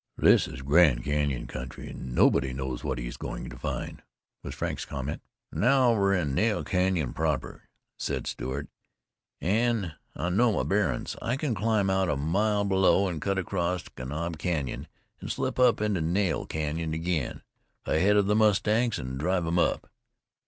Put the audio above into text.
"This is Grand Canyon country, an' nobody knows what he's goin' to find," was Frank's comment. "Now we're in Nail Canyon proper," said Stewart; "An' I know my bearin's. I can climb out a mile below an' cut across to Kanab Canyon, an' slip up into Nail Canyon agin, ahead of the mustangs, an' drive 'em up.